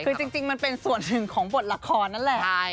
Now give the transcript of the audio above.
คือจริงมันเป็นส่วนหนึ่งของบทละครนั่นแหละ